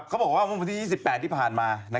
เขาบอกว่ามุมพนติ๒๘ที่ผ่านมา